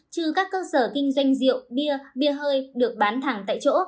trừ các cơ sở kinh doanh rượu bia bia hơi được bán thẳng tại chỗ